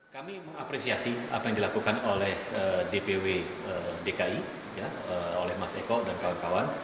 kami mengapresiasi apa yang dilakukan oleh dpw dki oleh mas eko dan kawan kawan